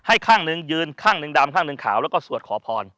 ข้างหนึ่งยืนข้างหนึ่งดำข้างหนึ่งขาวแล้วก็สวดขอพร